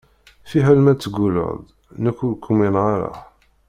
Fiḥel ma tegulleḍ-d, nekk ur k-umineɣ ara.